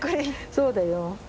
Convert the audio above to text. そうだよ。